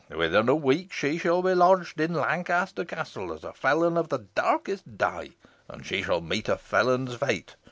Within a week she shall be lodged in Lancaster Castle, as a felon of the darkest dye, and she shall meet a felon's fate.